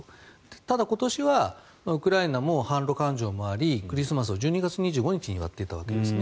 ただ、今年はウクライナも反ロ感情もありクリスマスを１２月２５日に祝っていたわけですね。